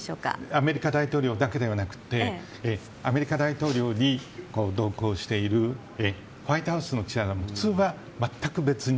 アメリカ大統領だけではなくてアメリカ大統領に同行しているホワイトハウスの記者も普通は全く別に。